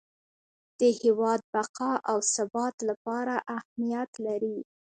د هیواد بقا او ثبات لپاره اهمیت لري.